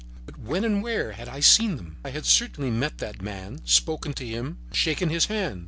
But when and where had I seen them? I had certainly met that man, spoken to him, shaken his hand.